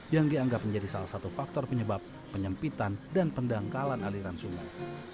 yang dianggap menjadi salah satu faktor penyebab penyempitan dan pendangkalan aliran sungai